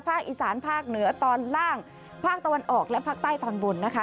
อีสานภาคเหนือตอนล่างภาคตะวันออกและภาคใต้ตอนบนนะคะ